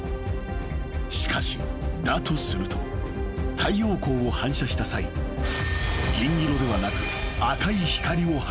［しかしだとすると太陽光を反射した際銀色ではなく］